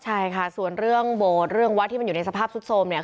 ใช่ค่ะส่วนเรื่องโบสถ์เรื่องวัดที่มันอยู่ในสภาพสุดโทรมเนี่ย